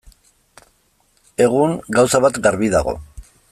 Egun, gauza bat garbi dago.